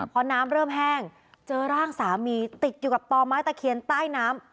พอน้ำเริ่มแห้งเจอร่างสามีติดอยู่กับต่อไม้ตะเคียนใต้น้ำ